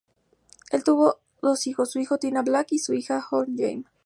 Él tuvo dos hijos; su hijo Tina Black y su hija Hodge Jayme.